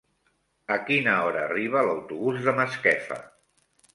A quina hora arriba l'autobús de Masquefa?